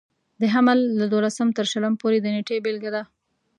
د حمل له دولسم تر شلم پورې د نېټې بېلګه ده.